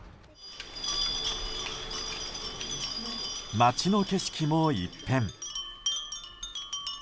街の景色も一変。